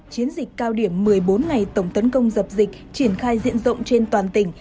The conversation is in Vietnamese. chiến dịch cao điểm một mươi bốn ngày tổng tấn công dập dịch triển khai diện rộng trên toàn tỉnh